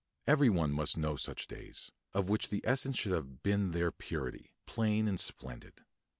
Every one must know such days, of which the essence should have been their purity, plain and splendid.